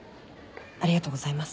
ありがとうございます。